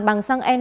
bằng xăng e năm